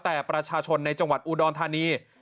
แต่ประชาชนในจังหวัดอุดรธานี